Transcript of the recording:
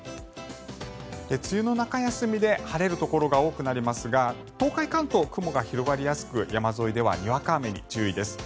梅雨の中休みで晴れるところが多くなりますが東海、関東は雲が広がりやすく山沿いではにわか雨に注意です。